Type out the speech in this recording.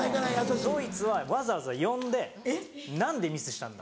ドイツはわざわざ呼んで「何でミスしたんだ？」。